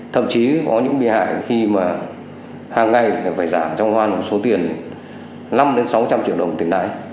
thậm chí có những bị hại khi mà hàng ngày phải giảm trong hoan số tiền năm sáu trăm linh triệu đồng tiền đấy